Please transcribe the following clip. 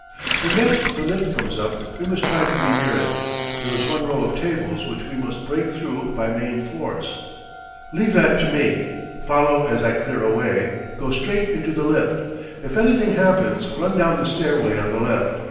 When next the lift comes up, we must try to be near it. There is one row of tables which we must break through by main force. Leave that to me, follow as I clear a way, go straight into the lift. If anything happens, run down the stairway on the left.